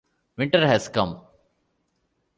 Winter has come.